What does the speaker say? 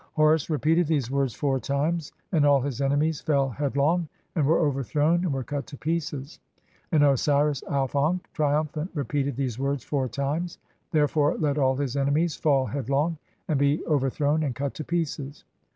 "Horus repeated [these] words four times, and all his enemies "fell headlong and were overthrown and were cut to pieces ; and "Osiris Auf ankh, triumphant, repeated [these] words four times, "therefore let all his enemies fall headlong, and be (i3) over "thrown and cut to pieces.